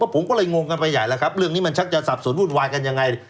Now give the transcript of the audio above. ว่าผมก็เลยงงกันไปใหญ่แหละครับว่าเรื่องนี้มันมันจะทักซับสนบุญค์ลัยกันยังไง